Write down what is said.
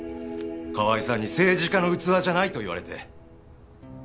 河合さんに「政治家の器じゃない」と言われて。